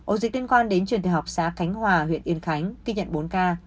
ổ dịch liên quan đến trường đại học xã khánh hòa huyện yên khánh ghi nhận bốn ca